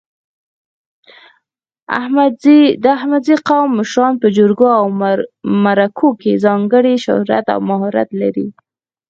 د احمدزي قوم مشران په جرګو او مرکو کې ځانګړی شهرت او مهارت لري.